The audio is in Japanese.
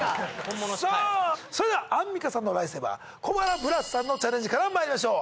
さぁそれではアンミカさんのライフセイバー小原ブラスさんのチャレンジからまいりましょう。